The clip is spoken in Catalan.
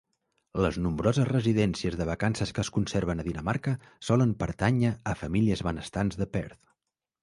Les nombroses residències de vacances que es conserven a Dinamarca solen pertànyer a famílies benestants de Perth.